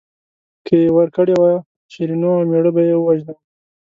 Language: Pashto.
که یې ورکړې وه شیرینو او مېړه به یې ووژنم.